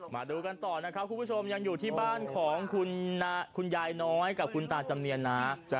มาดูกันต่อนะครับคุณผู้ชมยังอยู่ที่บ้านของคุณยายน้อยกับคุณตาจำเนียนนะ